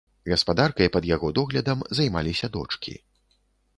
Гаспадаркай пад яго доглядам займаліся дочкі.